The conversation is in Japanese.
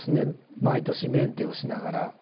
毎年メンテをしながら。